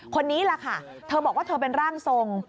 คนนี้แหละค่ะเธอบอกว่าเธอเป็นร่างทรง